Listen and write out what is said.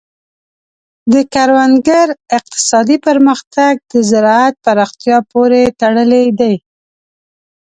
د کروندګر اقتصادي پرمختګ د زراعت پراختیا پورې تړلی دی.